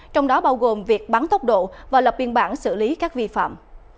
trong đó bao gồm việc bắn tốc độ và lập biên bản xử lý các vi phạm